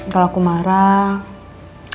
kalau aku marah